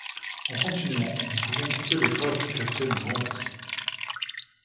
En continuant, nous pouvons couper les traces du capitaine Grant.